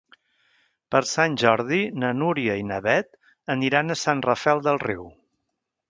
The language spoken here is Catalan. Per Sant Jordi na Núria i na Beth aniran a Sant Rafel del Riu.